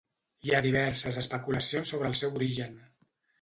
Hi ha diverses especulacions sobre el seu origen.